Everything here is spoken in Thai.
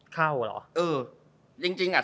เข้าหรอ